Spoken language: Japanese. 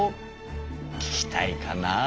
聞きたいかな？